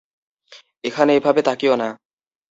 এখানে এভাবে তাকিয়ো না।